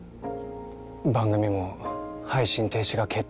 番組も配信停止が決定ですよ。